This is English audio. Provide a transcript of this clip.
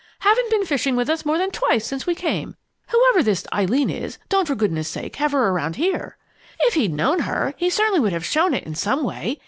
Haven't been fishing with us more than twice since we came! Whoever this Eileen is, don't for goodness sake have her around here!' If he'd known her, he certainly would have shown it in some way.